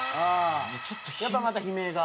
やっぱまた悲鳴が。